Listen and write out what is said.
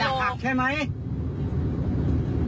จะหัคใช่ไหม